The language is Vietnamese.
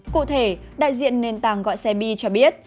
cụ thể đại diện nền tảng gọi xe bi cho biết